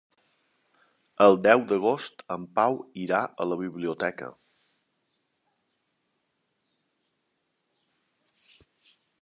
El deu d'agost en Pau irà a la biblioteca.